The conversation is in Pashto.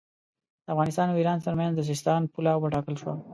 د افغانستان او ایران ترمنځ د سیستان پوله وټاکل شوه.